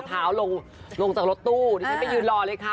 ลงลงจากรถตู้ดิฉันไปยืนรอเลยค่ะ